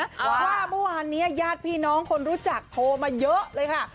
ว่าเมื่อวานนี้ญาติพี่น้องคนรู้จักโทรมาเยอะเลยค่ะ